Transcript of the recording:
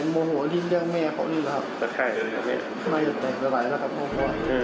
ไม่อย่าแตกเวลาไปแล้วครับพ่อพ่อ